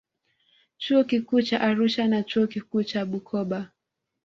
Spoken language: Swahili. Chuo Kikuu cha Arusha na Chuo Kikuu cha Bukoba